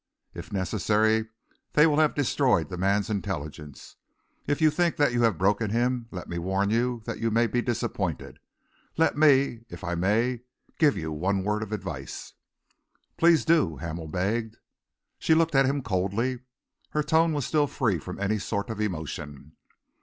If necessary, they will have destroyed the man's intelligence. If you think that you have him broken, let me warn you that you may be disappointed. Let me, if I may, give you one word of advice." "Please do," Hamel begged. She looked at him coldly. Her tone was still free from any sort of emotion.